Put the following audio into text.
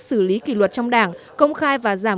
xử lý kỷ luật trong đảng công khai và giảm